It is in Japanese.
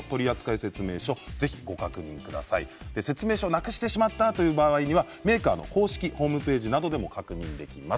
説明書をなくしてしまったという場合にはメーカーの公式ホームページなどでも確認ができます。